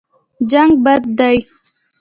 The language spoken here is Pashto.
جنګ بد دی.